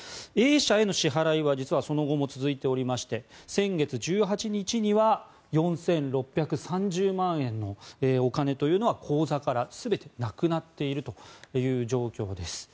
Ａ社への支払いは実はその後も続いておりまして先月１８日には４６３０万円のお金というのは口座から全てなくなっているという状況です。